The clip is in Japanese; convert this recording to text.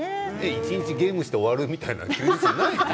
一日ゲームして終わるっていう休日がないの？